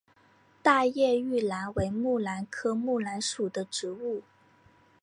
大叶玉兰为木兰科木兰属的植物。